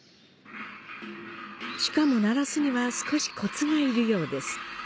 しかも鳴らすには少しコツが要るようです。